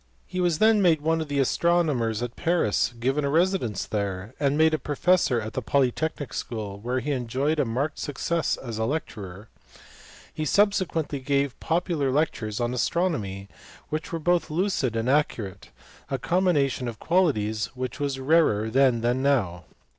He was then made one of the astronomers at Paris, given a residence there, and made a professor at the Polytechnic school, where he enjoyed a marked success as a lecturer. He subsequently gave popular lectures on astronomy which were both lucid and accurate, a combination of qualities which was rarer then than now.